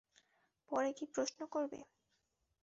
পরে কী প্রশ্ন করবে?